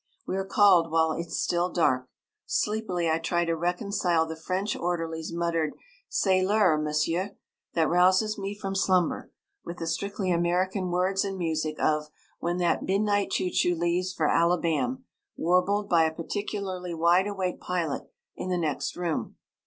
We are called while it's still dark. Sleepily I try to reconcile the French orderly's muttered, C'est l'heure, monsieur, that rouses me from slumber, with the strictly American words and music of "When That Midnight Choo Choo Leaves for Alabam'" warbled by a particularly wide awake pilot in the next room.